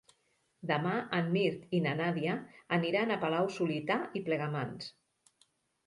Demà en Mirt i na Nàdia aniran a Palau-solità i Plegamans.